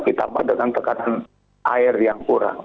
ditambah dengan tekanan air yang kurang